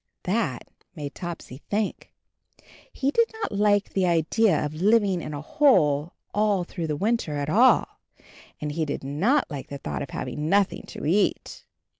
That made Topsy think. He did not like the idea of living in a hole all through the winter at all, and he did not like the thought of having nothing to eat